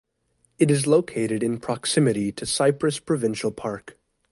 It is located in proximity to Cypress Provincial Park.